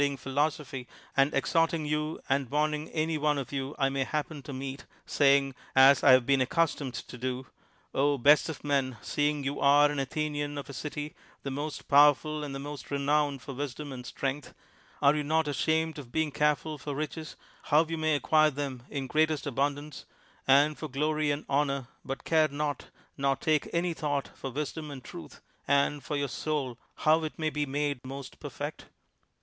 INTRODUCTION ing philosophy and exhorting you and warning any one of you I may happen to meet, saying, as I have been accustomed to do, ' best of men, seeing you are an Athenian of a city the most powerful and most renowned for wisdom and strength, are you not ashamed of being careful for riches, how you may acquire them in greatest abundance, and for glory and honor, but care not nor take any thought for wisdom and truth, and for your soul, how it may be made most perfect?'